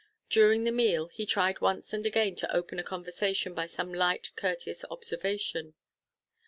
During the meal, he tried once and again to open a conversation by some slight courteous observation.